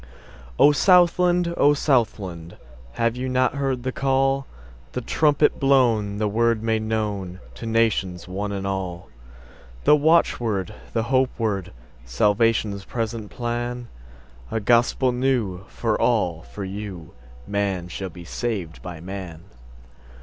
O SOUTHLAND! O Southland! Have you not heard the call, The trumpet blown, the word made knownTo the nations, one and all? The watchword, the hope word, Salvation's present plan?A gospel new, for all—for you:Man shall be saved by man.